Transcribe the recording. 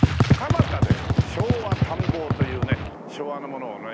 蒲田で昭和探訪というね昭和のものをね